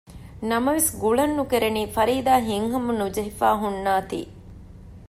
ނަމަވެސް ގުޅަން ނުކެރެނީ ފަރީދާ ހިތްހަމަ ނުޖެހިފައި ހުންނާތީ